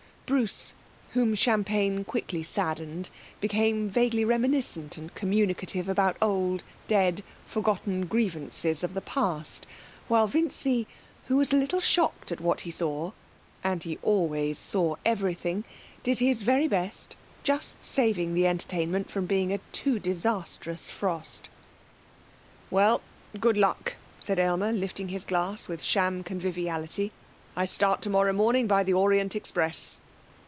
Bruce, whom champagne quickly saddened, became vaguely reminiscent and communicative about old, dead, forgotten grievances of the past, while Vincy, who was a little shocked at what he saw (and he always saw everything), did his very best, just saving the entertainment from being a too disastrous frost. 'Well! Good luck!' said Aylmer, lifting his glass with sham conviviality.' I start tomorrow morning by the Orient Express.'